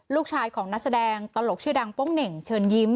ลูกชายของนักแสดงตลกชื่อดังโป้งเหน่งเชิญยิ้ม